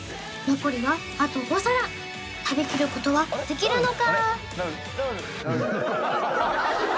残るはあと５皿食べきることはできるのか？